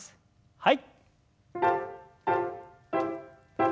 はい。